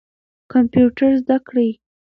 کمپیوټر زده کړئ.